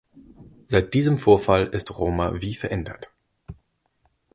Seit diesem Vorfall ist Roma wie verändert.